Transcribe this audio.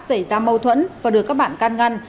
xảy ra mâu thuẫn và được các bạn can ngăn